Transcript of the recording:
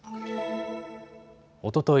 おととい